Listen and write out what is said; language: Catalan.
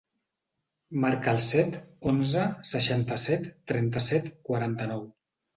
Marca el set, onze, seixanta-set, trenta-set, quaranta-nou.